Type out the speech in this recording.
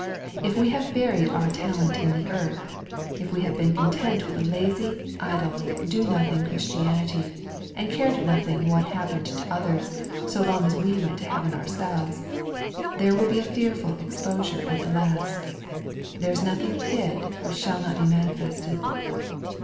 If we have buried our talent in the earth if we have been content with a lazy, idle, do nothing Christianity, and cared nothing what happened to others, so long as we went to heaven ourselves there will be a fearful exposure at last :" There is nothing hid, which shall not be manifested."